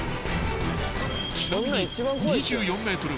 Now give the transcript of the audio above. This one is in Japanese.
［ちなみに］